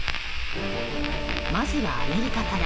まずは、アメリカから。